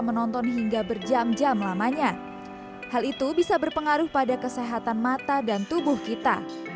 menonton hingga berjam jam lamanya hal itu bisa berpengaruh pada kesehatan mata dan tubuh kita